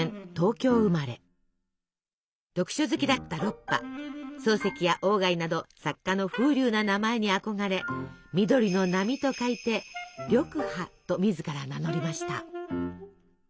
読書好きだったロッパ漱石や鴎外など作家の風流な名前に憧れ緑の波と書いて「緑波」と自ら名乗りました。